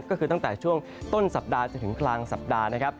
ก็คือตั้งแต่ช่วงต้นสัปดาห์จนถึงกลางสัปดาห์นะครับ